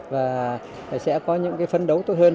và sẽ có những cái phấn đấu tốt hơn